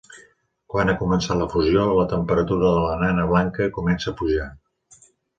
Quan ha començat la fusió, la temperatura de la nana blanca comença a pujar.